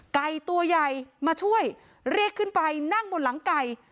ไก่ตัวใหญ่มาช่วยเรียกขึ้นไปนั่งบนหลังไก่